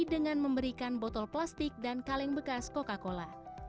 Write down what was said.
dengan memberikan botol plastik dan kaleng bekas coca cola